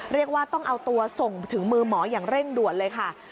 เรียกว่าต้องเอาตัวส่งถึงมือหมออย่างเร่งด่วนเลยค่ะ